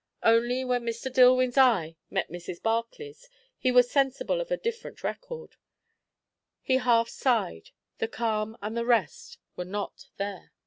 Only when Mr. Dillwyn's eye met Mrs. Barclay's he was sensible of a different record. He half sighed. The calm and the rest were not there.